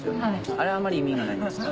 あれあんまり意味がないんですか？